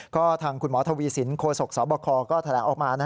ก็ทางคุณหมอทวีสินโคศกสบคก็แถลงออกมา